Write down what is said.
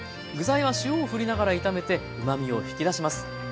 具材は塩をふりながら炒めてうまみを引き出します。